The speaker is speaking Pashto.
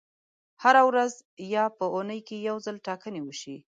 هره ورځ یا په اونۍ کې یو ځل ټاکنې وشي.